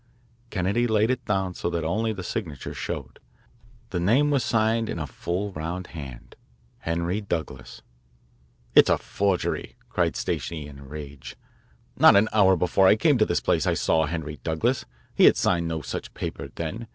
Kennedy laid it down so that only the signature showed. The name was signed in a full round hand, "Henry Douglas." "It's a forgery," cried Stacey in rage. "Not an hour before I came into this place I saw Henry Douglas. He had signed no such paper then.